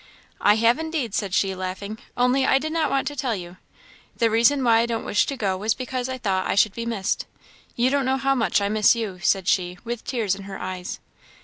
"I have, indeed," said she, laughing; "only I did not want to tell you. The reason why I didn't wish to go was because I thought I should be missed. You don't know how much I miss you," said she, with tears in her eyes.